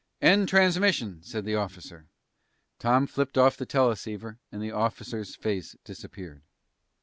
"End transmission," said the officer. Tom flipped off the teleceiver and the officer's face disappeared.